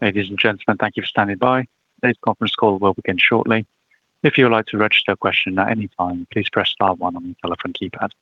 Ladies and gentlemen, thank you for standing by. Today's conference call will begin shortly. If you would like to register a question at any time, please press star one on your telephone keypad.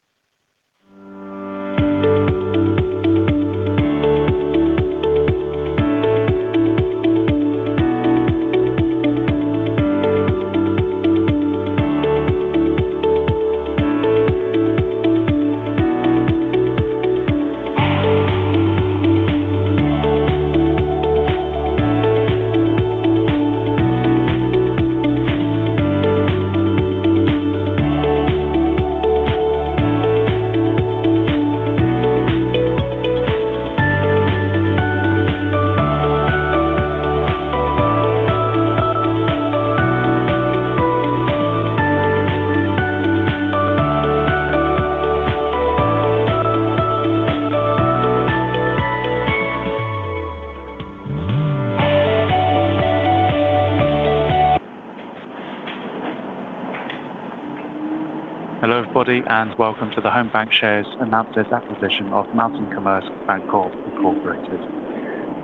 Hello everybody, and welcome to the Home BancShares (Conway, AR) Announces Acquisition of Mountain Commerce Bancorp Incorporated.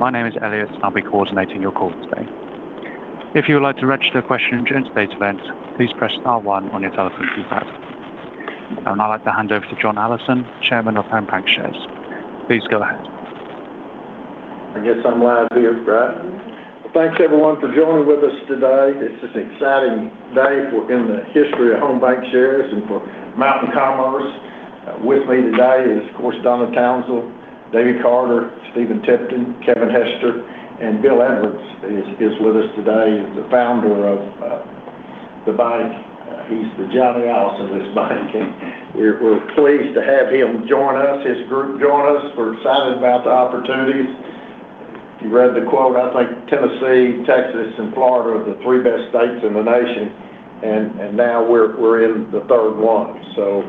My name is Elliot, and I'll be coordinating your call today. If you would like to register a question during today's event, please press star one on your telephone keypad. I'd like to hand over to John Allison, Chairman of Home BancShares. Please go ahead. Yes, I'm glad to be here, Brett. Thanks everyone for joining with us today. It's just an exciting day for the history of Home BancShares and for Mountain Commerce. With me today is, of course, Donna Townsell, David Carter, Stephen Tipton, Kevin Hester, and Bill Edwards is with us today. He's the founder of the bank. He's the John Allison of this bank, and we're pleased to have him join us, his group join us. We're excited about the opportunities. You read the quote, I think, "Tennessee, Texas, and Florida are the three best states in the nation," and now we're in the third one. So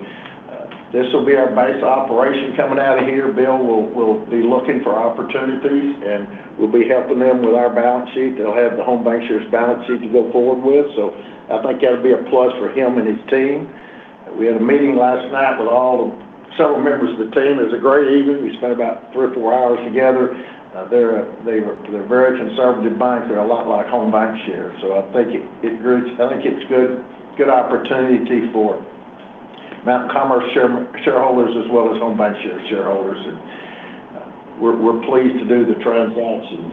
this will be our base operation coming out of here. Bill will be looking for opportunities, and we'll be helping them with our balance sheet. They'll have the Home BancShares balance sheet to go forward with, so I think that'll be a plus for him and his team. We had a meeting last night with several members of the team. It was a great evening. We spent about three or four hours together. They're a very conservative bank. They're a lot like Home BancShares, so I think it's a good opportunity for Mountain Commerce shareholders as well as Home BancShares shareholders. We're pleased to do the transaction.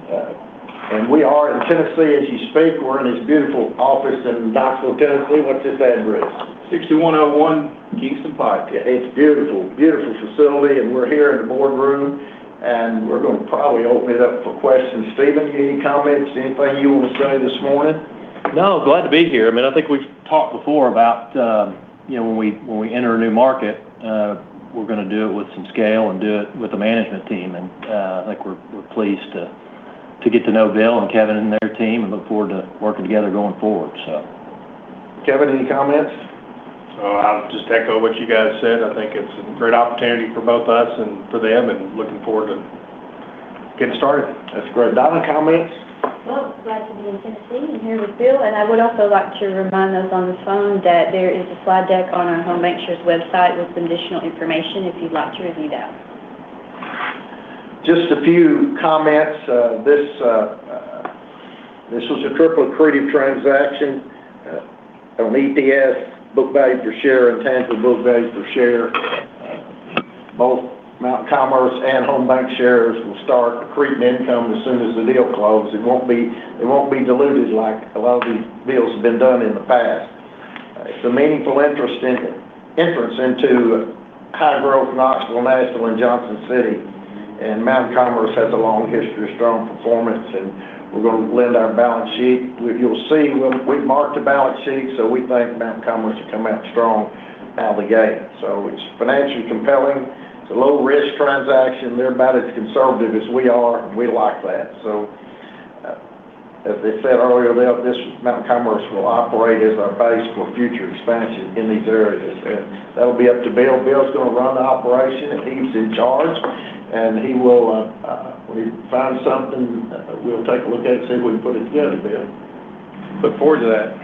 And we are in Tennessee as you speak. We're in his beautiful office in Knoxville, Tennessee. What's his address? 6101 Kingston Pike. It's a beautiful, beautiful facility, and we're here in the boardroom, and we're going to probably open it up for questions. Stephen, any comments? Anything you want to say this morning? No, glad to be here. I mean, I think we've talked before about when we enter a new market, we're going to do it with some scale and do it with the management team. And I think we're pleased to get to know Bill and Kevin and their team and look forward to working together going forward, so. Kevin, any comments? I'll just echo what you guys said. I think it's a great opportunity for both us and for them, and looking forward to getting started. That's great. Donna, comments? Glad to be in Tennessee and here with Bill. I would also like to remind those on the phone that there is a slide deck on our Home BancShares website with some additional information if you'd like to review that. Just a few comments. This was a triple accretive transaction on EPS, book value per share, and tangible book value per share. Both Mountain Commerce and Home BancShares will start accreting income as soon as the deal closes. It won't be dilutive like a lot of these deals have been done in the past. It's a meaningful entrance into high growth Knoxville, Nashville, and Johnson City, and Mountain Commerce has a long history of strong performance, and we're going to lend our balance sheet. You'll see we've marked the balance sheet, so we think Mountain Commerce will come out strong out of the gate, so it's financially compelling. It's a low-risk transaction. They're about as conservative as we are, and we like that, so as they said earlier, this Mountain Commerce will operate as our base for future expansion in these areas. That'll be up to Bill. Bill's going to run the operation. He's in charge, and when he finds something, we'll take a look at it and see if we can put it together, Bill. Look forward to that.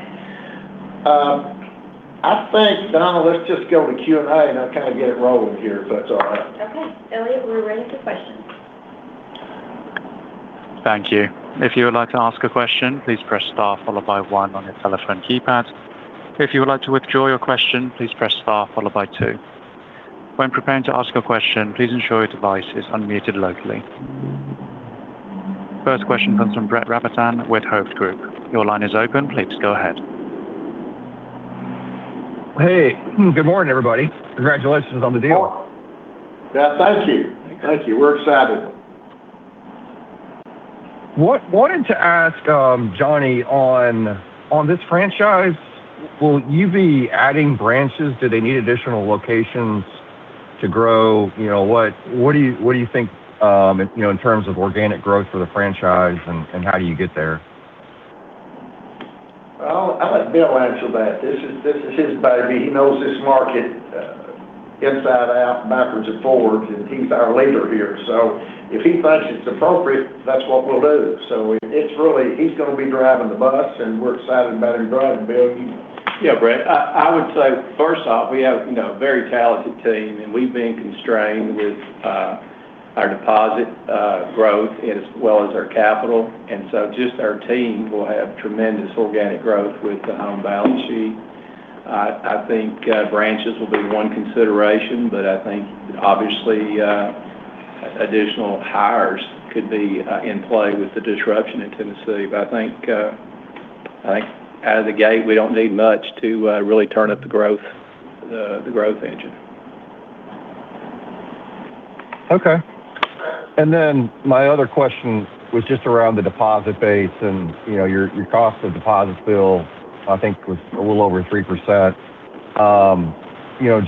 I think, Donna, let's just go to Q&A and kind of get it rolling here, if that's all right. Okay. Elliot, we're ready for questions. Thank you. If you would like to ask a question, please press star followed by one on your telephone keypad. If you would like to withdraw your question, please press star followed by two. When preparing to ask a question, please ensure your device is unmuted locally. First question comes from Brett Rabatin with Hovde Group. Your line is open. Please go ahead. Hey. Good morning, everybody. Congratulations on the deal. Yeah, thank you. Thank you. We're excited. Wanting to ask Johnny on this franchise, will you be adding branches? Do they need additional locations to grow? What do you think in terms of organic growth for the franchise, and how do you get there? I'll let Bill answer that. This is his baby. He knows this market inside out, backwards and forwards, and he's our leader here. If he thinks it's appropriate, that's what we'll do. He's going to be driving the bus, and we're excited about him driving it, Bill. Yeah, Brett. I would say, first off, we have a very talented team, and we've been constrained with our deposit growth as well as our capital. And so just our team will have tremendous organic growth with the Home BancShares balance sheet. I think branches will be one consideration, but I think, obviously, additional hires could be in play with the disruption in Tennessee. But I think out of the gate, we don't need much to really turn up the growth engine. Okay. And then my other question was just around the deposit base and your cost of deposits, Bill. I think was a little over 3%.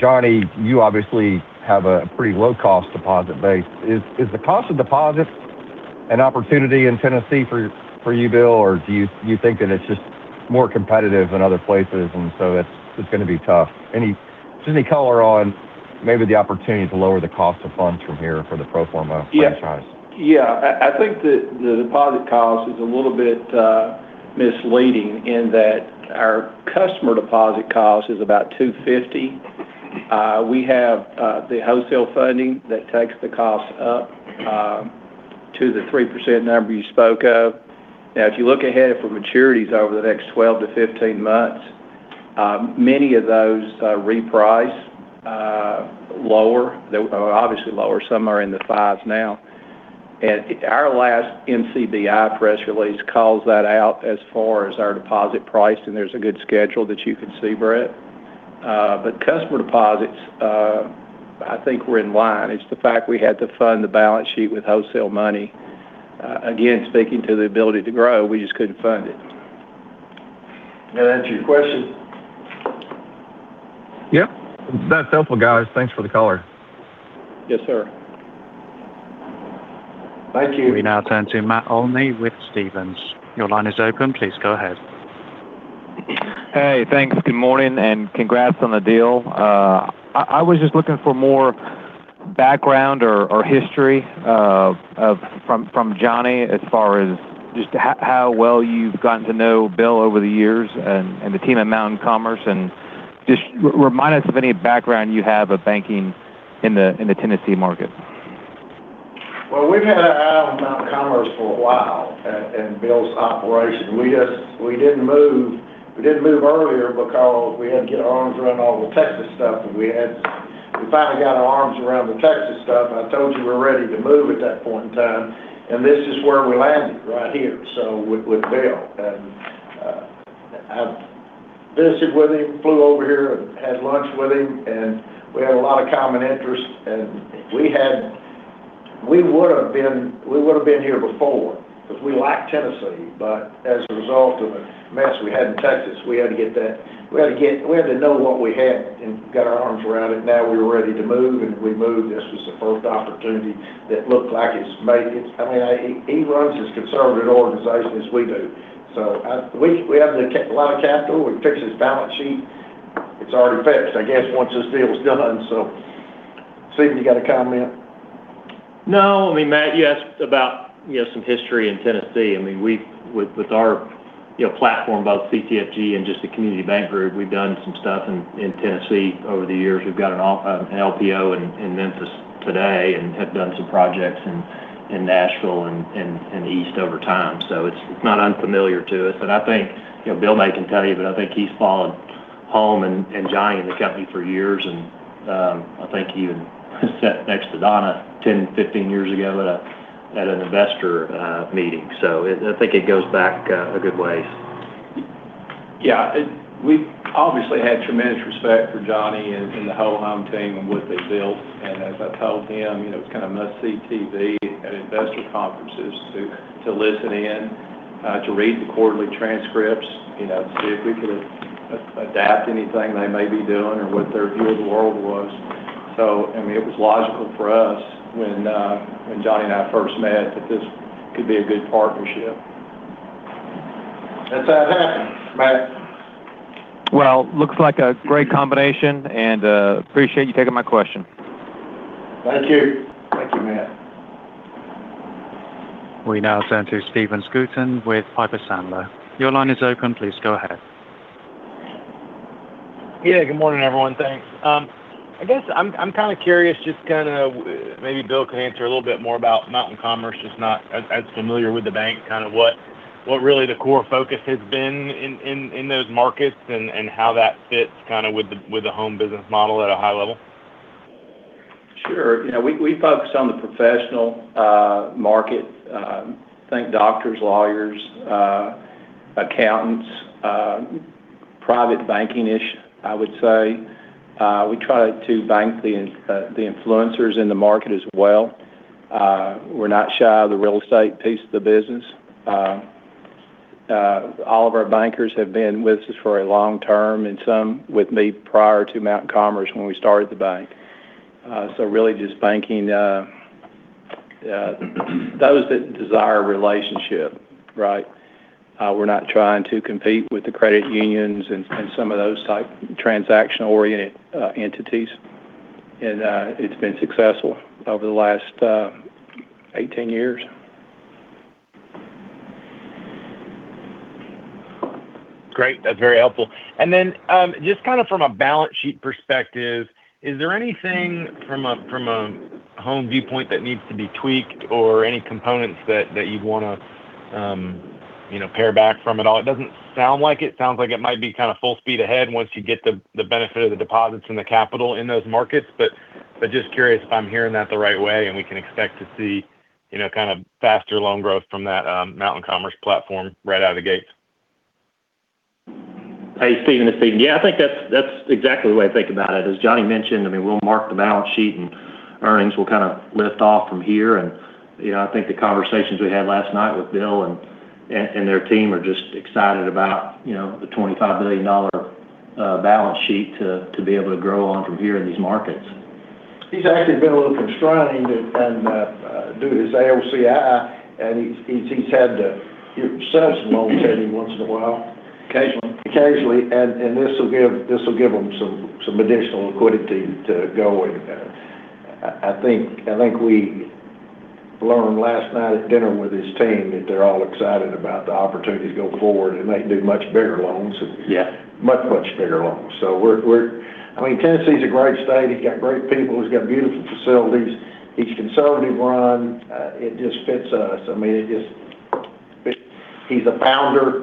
Johnny, you obviously have a pretty low-cost deposit base. Is the cost of deposit an opportunity in Tennessee for you, Bill, or do you think that it's just more competitive than other places, and so it's going to be tough? Just any color on maybe the opportunity to lower the cost of funds from here for the pro forma franchise? Yeah. I think the deposit cost is a little bit misleading in that our customer deposit cost is about 250. We have the wholesale funding that takes the cost up to the 3% number you spoke of. Now, if you look ahead for maturities over the next 12 months-15 months, many of those reprice lower, obviously lower. Some are in the fives now. And our last MCBI press release calls that out as far as our deposit price, and there's a good schedule that you can see, Brett. But customer deposits, I think we're in line. It's the fact we had to fund the balance sheet with wholesale money. Again, speaking to the ability to grow, we just couldn't fund it. Can I answer your question? Yep. That's helpful, guys. Thanks for the color. Yes, sir. Thank you. We now turn to Matt Olney with Stephens. Your line is open. Please go ahead. Hey, thanks. Good morning, and congrats on the deal. I was just looking for more background or history from Johnny as far as just how well you've gotten to know Bill over the years and the team at Mountain Commerce, and just remind us of any background you have of banking in the Tennessee market. Well, we've had an eye on Mountain Commerce for a while and Bill's operation. We didn't move earlier because we had to get our arms around all the Texas stuff that we had. We finally got our arms around the Texas stuff. I told you we were ready to move at that point in time, and this is where we landed right here with Bill. And I visited with him, flew over here, and had lunch with him, and we had a lot of common interests. And we would have been here before because we liked Tennessee, but as a result of the mess we had in Texas, we had to get that. We had to know what we had and got our arms around it. Now we were ready to move, and we moved. This was the first opportunity that looked like it's made. I mean, he runs as conservative an organization as we do. So we have a lot of capital. We fixed his balance sheet. It's already fixed, I guess, once this deal's done. So Stephen, you got a comment? No. I mean, Matt, you asked about some history in Tennessee. I mean, with our platform, both CCFG and just the Community Bank Group, we've done some stuff in Tennessee over the years. We've got an LPO in Memphis today and have done some projects in Nashville and east over time. So it's not unfamiliar to us. And I think Bill may contend, but I think he's followed Home and Johnny and the company for years, and I think he even sat next to Donna 10, 15 years ago at an investor meeting. So I think it goes back a good ways. Yeah. We've obviously had tremendous respect for Johnny and the whole home team and what they built and as I told him, it was kind of must-see TV at investor conferences to listen in, to read the quarterly transcripts, to see if we could adapt anything they may be doing or what their view of the world was, so I mean, it was logical for us when Johnny and I first met that this could be a good partnership. That's how it happened. Matt. Looks like a great combination, and appreciate you taking my question. Thank you. Thank you, Matt. We now turn to Stephen Scouten with Piper Sandler. Your line is open. Please go ahead. Yeah. Good morning, everyone. Thanks. I guess I'm kind of curious just kind of maybe Bill can answer a little bit more about Mountain Commerce, just not as familiar with the bank, kind of what really the core focus has been in those markets and how that fits kind of with the home business model at a high level. Sure. We focus on the professional market. I think doctors, lawyers, accountants, private banking-ish, I would say. We try to bank the influencers in the market as well. We're not shy of the real estate piece of the business. All of our bankers have been with us for a long term, and some with me prior to Mountain Commerce when we started the bank. So really just banking those that desire relationship, right? We're not trying to compete with the credit unions and some of those type transaction-oriented entities. And it's been successful over the last 18 years. Great. That's very helpful. And then just kind of from a balance sheet perspective, is there anything from a Home viewpoint that needs to be tweaked or any components that you'd want to pare back from at all? It doesn't sound like it. Sounds like it might be kind of full speed ahead once you get the benefit of the deposits and the capital in those markets. But just curious if I'm hearing that the right way, and we can expect to see kind of faster loan growth from that Mountain Commerce platform right out of the gate. Yeah, I think that's exactly the way I think about it. As Johnny mentioned, I mean, we'll mark the balance sheet, and earnings will kind of lift off from here. And I think the conversations we had last night with Bill and their team are just excited about the $25 billion balance sheet to be able to grow on from here in these markets. He's actually been a little constrained due to his AOCI, and he's had to have some liquidity once in a while. Occasionally. Occasionally, and this will give him some additional liquidity to go with. I think we learned last night at dinner with his team that they're all excited about the opportunities going forward, and they can do much bigger loans and much, much bigger loans, so I mean, Tennessee is a great state. He's got great people. He's got beautiful facilities. It's conservatively run. It just fits us. I mean, he's a founder.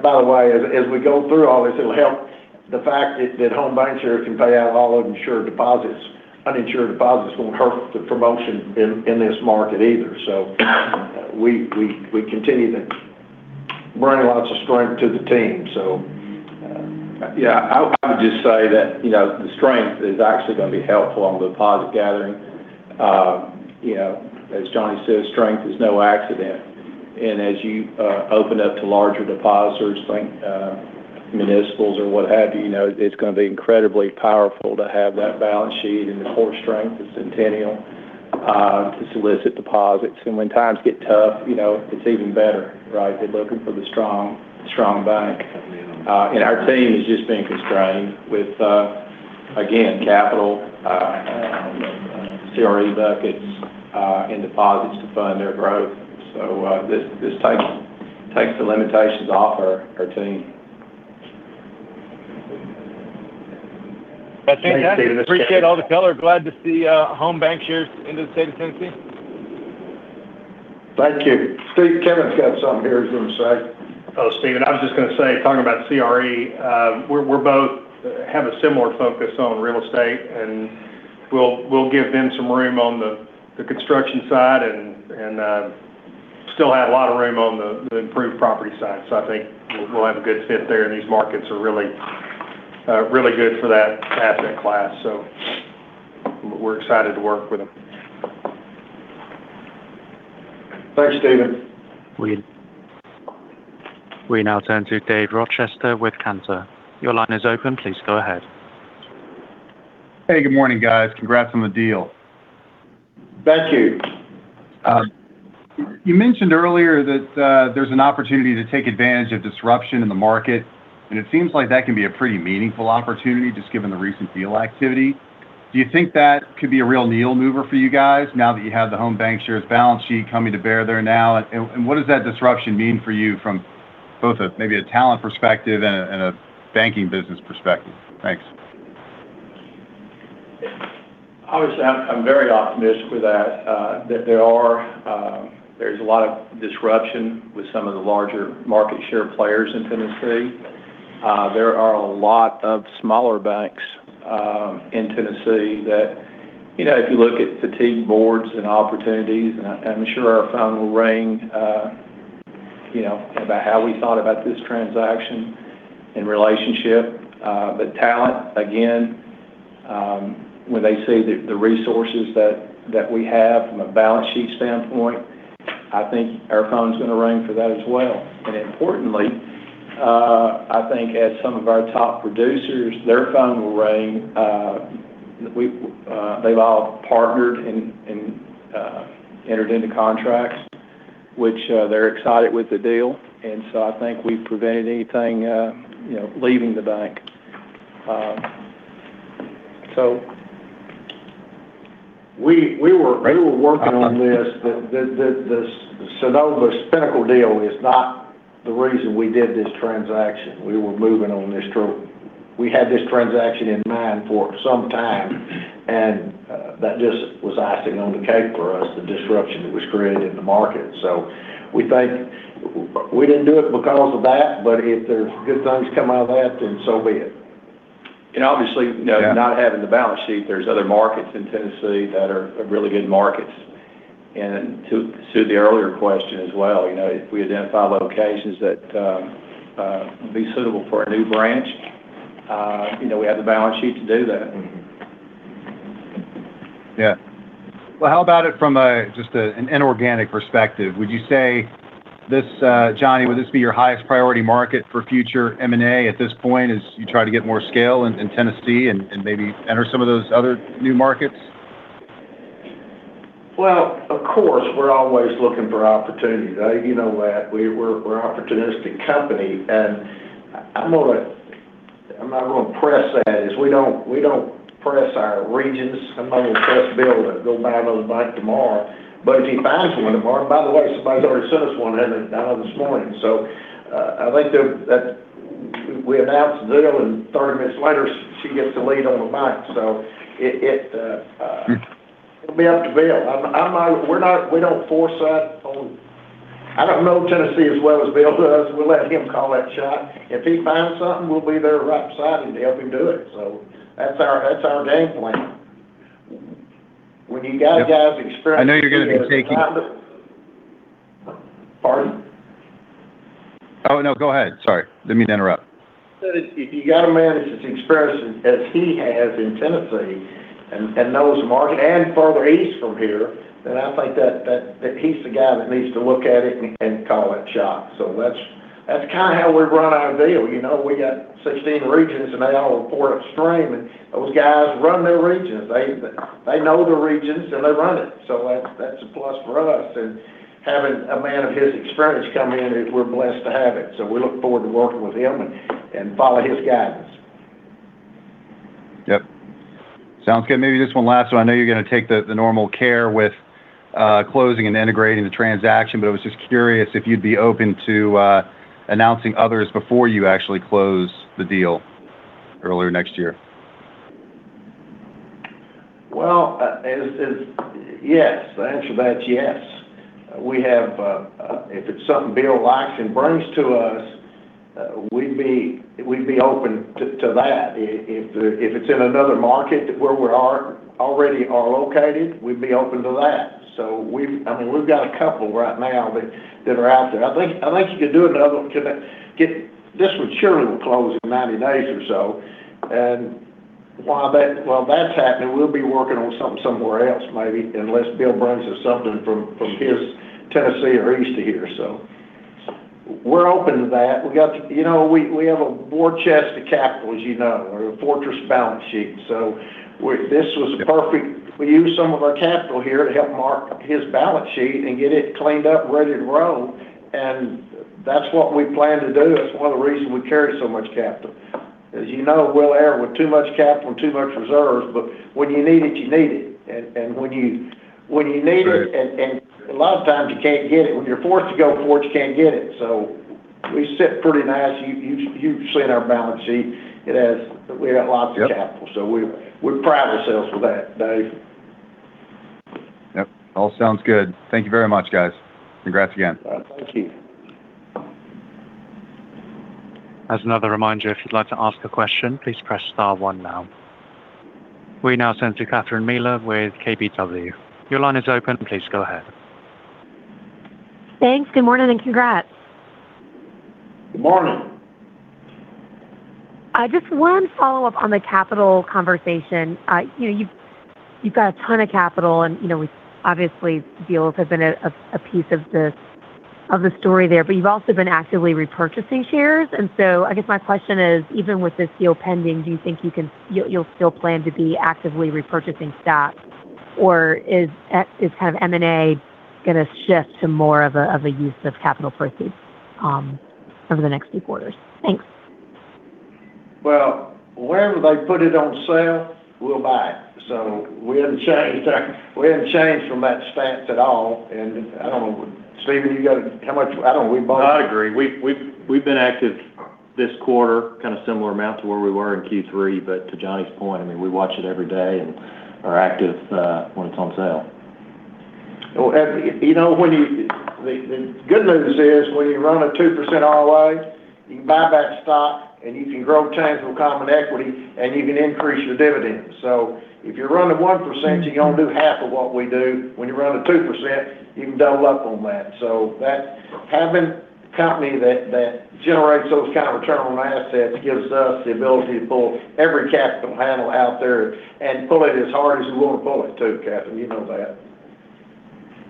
By the way, as we go through all this, it'll help the fact that Home BancShares can pay out all uninsured deposits. Uninsured deposits won't hurt the proposition in this market either, so we continue to bring lots of strength to the team, so. Yeah. I would just say that the strength is actually going to be helpful on the deposit gathering. As Johnny says, strength is no accident. And as you open up to larger depositors, municipals or what have you, it's going to be incredibly powerful to have that balance sheet and the core strength, the Centennial, to solicit deposits. And when times get tough, it's even better, right? They're looking for the strong bank. And our team is just being constrained with, again, capital, CRE buckets, and deposits to fund their growth. So this takes the limitations off our team. Appreciate it. Appreciate all the color. Glad to see Home BancShares into the state of Tennessee. Thank you. Stephen, Kevin's got something here he's going to say. Oh, Stephen, I was just going to say, talking about CRE, we both have a similar focus on real estate, and we'll give them some room on the construction side and still have a lot of room on the improved property side. So I think we'll have a good fit there, and these markets are really good for that asset class. So we're excited to work with them. Thanks, Stephen. We now turn to Dave Rochester with Cantor. Your line is open. Please go ahead. Hey, good morning, guys. Congrats on the deal. Thank you. You mentioned earlier that there's an opportunity to take advantage of disruption in the market, and it seems like that can be a pretty meaningful opportunity just given the recent deal activity. Do you think that could be a real needle mover for you guys now that you have the Home BancShares balance sheet coming to bear there now? And what does that disruption mean for you from both maybe a talent perspective and a banking business perspective? Thanks. Obviously, I'm very optimistic with that. There's a lot of disruption with some of the larger market share players in Tennessee. There are a lot of smaller banks in Tennessee that if you look at fatigued boards and opportunities, and I'm sure our phone will ring about how we thought about this transaction in relationship. But talent, again, when they see the resources that we have from a balance sheet standpoint, I think our phone's going to ring for that as well. And importantly, I think as some of our top producers, their phone will ring. They've all partnered and entered into contracts, which they're excited with the deal. And so I think we've prevented anything leaving the bank. So. We were working on this. The Sonoma-Spinnaker deal is not the reason we did this transaction. We were moving on this truth. We had this transaction in mind for some time, and that just was icing on the cake for us, the disruption that was created in the market. So we think we didn't do it because of that, but if there's good things come out of that, then so be it. Obviously, now having the balance sheet, there's other markets in Tennessee that are really good markets. To answer the earlier question as well, if we identify locations that would be suitable for a new branch, we have the balance sheet to do that. Yeah. Well, how about it from just an inorganic perspective? Would you say, Johnny, would this be your highest priority market for future M&A at this point as you try to get more scale in Tennessee and maybe enter some of those other new markets? Of course, we're always looking for opportunity. You know that we're an opportunistic company, and I'm not going to press that. We don't press our regions. I'm not going to press Bill to go buy another bank tomorrow. But if he finds one tomorrow, by the way, somebody's already sent us one down this morning. So I think we announced the deal, and 30 minutes later, she gets the lead on the bank. So it'll be up to Bill. We don't force that on. I don't know Tennessee as well as Bill does. We'll let him call that shot. If he finds something, we'll be there right beside him to help him do it. So that's our game plan. When you got guys' experience. I know you're going to be taking. Pardon? Oh, no, go ahead. Sorry. Let me interrupt. If you got a man that's as experienced as he has in Tennessee and knows the market and further east from here, then I think that he's the guy that needs to look at it and call the shots, so that's kind of how we run our deal. We got 16 regions, and they all report upstream, and those guys run their regions. They know the regions, and they run it, so that's a plus for us, and having a man of his experience come in, we're blessed to have it, so we look forward to working with him and following his guidance. Yep. Sounds good. Maybe just one last one. I know you're going to take the normal care with closing and integrating the transaction, but I was just curious if you'd be open to announcing others before you actually close the deal earlier next year? Yes. To answer that, yes. If it's something Bill likes and brings to us, we'd be open to that. If it's in another market where we already are located, we'd be open to that. So I mean, we've got a couple right now that are out there. I think you could do another one. This one surely will close in 90 days or so. And while that's happening, we'll be working on something somewhere else maybe unless Bill brings us something from his Tennessee or east of here. So we're open to that. We have a war chest of capital, as you know, or a fortress balance sheet. So this was a perfect. We used some of our capital here to help mark his balance sheet and get it cleaned up, ready to roll. And that's what we plan to do. That's one of the reasons we carry so much capital. As you know, we'll err with too much capital and too much reserves, but when you need it, you need it. And when you need it, and a lot of times you can't get it. When you're forced to go for it, you can't get it. So we sit pretty nice. You've seen our balance sheet. We got lots of capital. So we pride ourselves with that, Dave. Yep. All sounds good. Thank you very much, guys. Congrats again. Thank you. As another reminder, if you'd like to ask a question, please press star one now. We now turn to Catherine Mealor with KBW. Your line is open. Please go ahead. Thanks. Good morning and congrats. Good morning. Just one follow-up on the capital conversation. You've got a ton of capital, and obviously, deals have been a piece of the story there. But you've also been actively repurchasing shares. And so I guess my question is, even with this deal pending, do you think you'll still plan to be actively repurchasing stock? Or is kind of M&A going to shift to more of a use of capital proceeds over the next few quarters? Thanks. Well, wherever they put it on sale, we'll buy it. So we hadn't changed from that stance at all. And I don't know, Stephen, you got to, I don't know. We both. I agree. We've been active this quarter, kind of similar amount to where we were in Q3. But to Johnny's point, I mean, we watch it every day and are active when it's on sale. The good news is when you run a 2% ROA, you can buy back stock, and you can grow tangible common equity, and you can increase your dividends. If you're running 1%, you only do half of what we do. When you run a 2%, you can double up on that. Having a company that generates those kind of return on assets gives us the ability to pull every capital handle out there and pull it as hard as you want to pull it too, Catherine. You know that.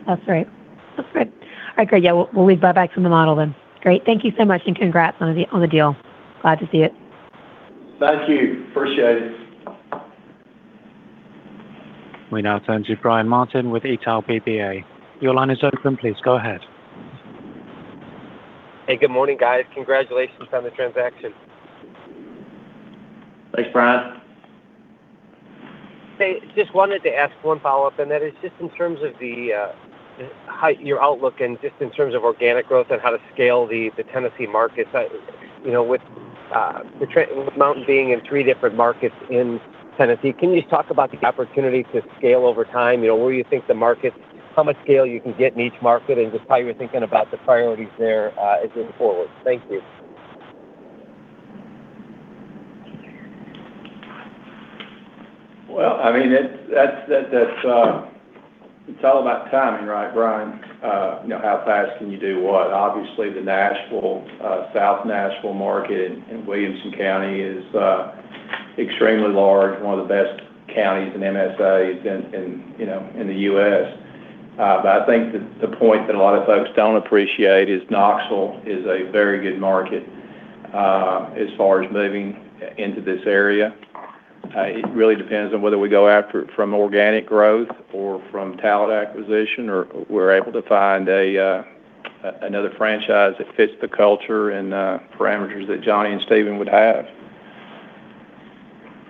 That's right. That's right. All right, great. Yeah. We'll leave that back to the model then. Great. Thank you so much and congrats on the deal. Glad to see it. Thank you. Appreciate it. We now turn to Brian Martin with Janney Montgomery Scott. Your line is open. Please go ahead. Hey, good morning, guys. Congratulations on the transaction. Thanks, Brian. Hey, just wanted to ask one follow-up in that it's just in terms of your outlook and just in terms of organic growth and how to scale the Tennessee markets. With Mountain being in three different markets in Tennessee, can you just talk about the opportunity to scale over time? Where do you think the market, how much scale you can get in each market and just how you're thinking about the priorities there as you move forward? Thank you. Well, I mean, it's all about timing, right, Brian? How fast can you do what? Obviously, the Nashville, South Nashville market in Williamson County is extremely large, one of the best counties in MSA and in the U.S. But I think the point that a lot of folks don't appreciate is Knoxville is a very good market as far as moving into this area. It really depends on whether we go after it from organic growth or from talent acquisition, or we're able to find another franchise that fits the culture and parameters that Johnny and Stephen would have.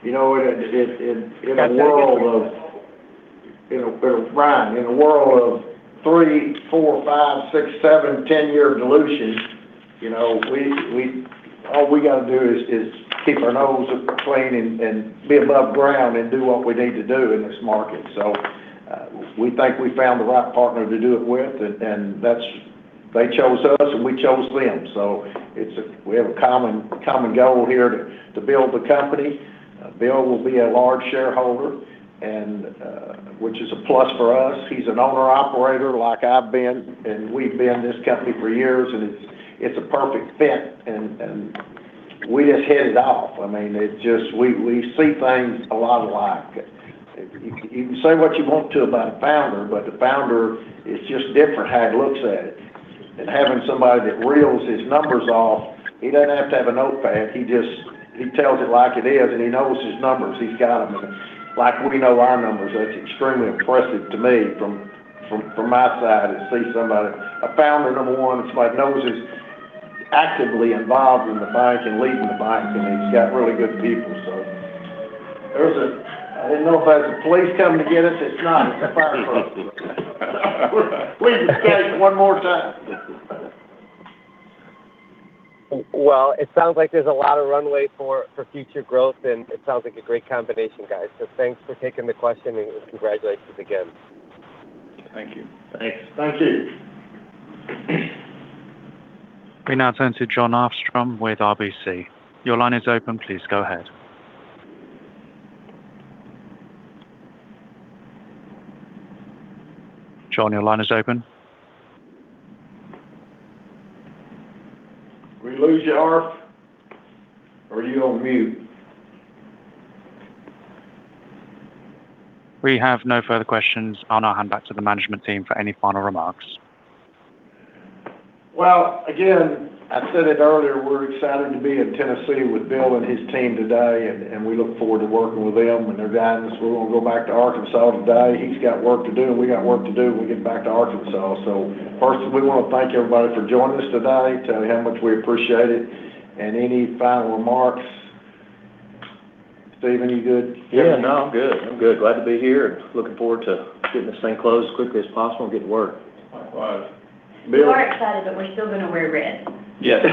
You know what? In a world of, Brian, in a world of three, four, five, six, seven, 10-year dilution, all we got to do is keep our nose clean and be above ground and do what we need to do in this market. So we think we found the right partner to do it with, and they chose us, and we chose them. So we have a common goal here to build the company. Bill will be a large shareholder, which is a plus for us. He's an owner-operator like I've been, and we've been in this company for years, and it's a perfect fit, and we just hit it off. I mean, we see things a lot alike. You can say what you want to about a founder, but the founder, it's just different how he looks at it. Having somebody that reels his numbers off, he doesn't have to have a notepad. He tells it like it is, and he knows his numbers. He's got them. Like we know our numbers. That's extremely impressive to me from my side to see somebody, a founder, number one, and somebody who knows is actively involved in the bank and leading the bank, and he's got really good people, so. I didn't know if that was the police coming to get us. It's not. It's the firefighters. We just escaped one more time. Well, it sounds like there's a lot of runway for future growth, and it sounds like a great combination, guys. So thanks for taking the question, and congratulations again. Thank you. Thanks. Thank you. We now turn to Jon Arfstrom with RBC. Your line is open. Please go ahead. Jon, your line is open. We lose you, Arfstrom. Are you on mute? We have no further questions. I'll now hand back to the management team for any final remarks. Again, I said it earlier, we're excited to be in Tennessee with Bill and his team today, and we look forward to working with them and their guidance. We're going to go back to Arkansas today. He's got work to do, and we got work to do when we get back to Arkansas. So first, we want to thank everybody for joining us today, tell you how much we appreciate it. Any final remarks? Stephen, you good? Yeah. No, I'm good. I'm good. Glad to be here and looking forward to getting this thing closed as quickly as possible and get to work. Likewise. We are excited, but we're still going to wear red. Yes.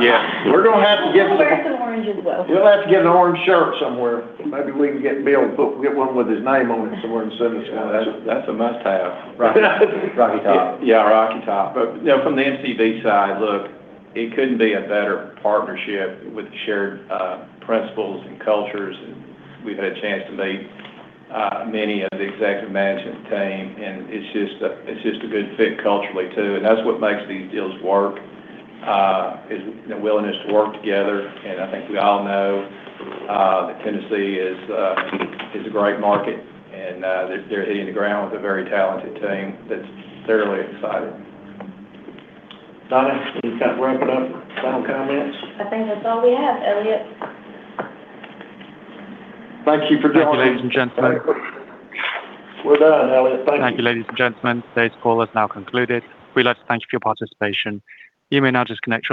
Yeah. We're going to have to get some. We'll wear some orange as well. We'll have to get an orange shirt somewhere. Maybe we can get Bill to put one with his name on it somewhere and send it to him. That's a must-have. Rocky top. Yeah, Rocky top. But from the MCB side, look, it couldn't be a better partnership with shared principles and cultures. And we've had a chance to meet many of the executive management team, and it's just a good fit culturally too. And that's what makes these deals work, is the willingness to work together. And I think we all know that Tennessee is a great market, and they're hitting the ground with a very talented team that's thoroughly excited. Donna, you got to wrap it up? Final comments? I think that's all we have, Elliot. Thank you for joining us. Thank you, ladies and gentlemen. We're done, Elliot. Thank you. Thank you, ladies and gentlemen. Today's call is now concluded. We'd like to thank you for your participation. You may now disconnect from.